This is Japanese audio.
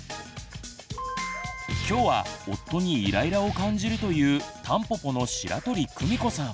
今日は夫にイライラを感じるというたんぽぽの白鳥久美子さん